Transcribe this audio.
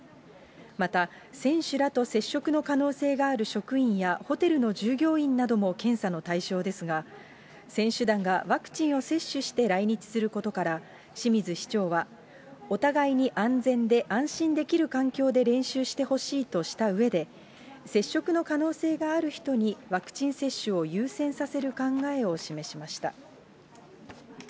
また選手らと接触の可能性がある職員やホテルの従業員なども検査の対象ですが、選手団がワクチンを接種して来日することから、清水市長は、お互いに安全で安心できる環境で練習してほしいとしたうえで、接触の可能性がある人にワクチン接種を優先させる考えを示しました。